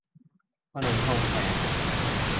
ขนมโพรงแสม